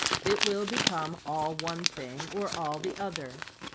It will become all one thing or all the other.